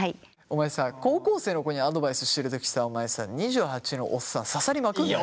お前さ高校生の子にアドバイスしてるときさお前さ２８のおっさん刺さりまくるなよ。